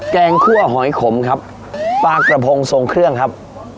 แกงคั่วหอยขมครับปลากระพงทรงเครื่องครับ